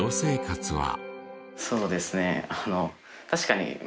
そうですねあの。